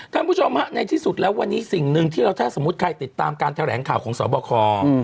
ท่านผู้ชมฮะในที่สุดแล้ววันนี้สิ่งหนึ่งที่เราถ้าสมมุติใครติดตามการแถลงข่าวของสอบคอ